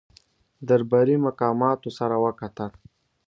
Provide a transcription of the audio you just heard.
درباري مقاماتو سره وکتل.